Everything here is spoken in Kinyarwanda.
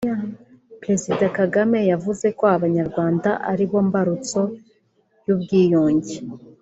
Perezida Kagame yavuze ko Abanyarwanda aribo mbarutso y’ubwiyunge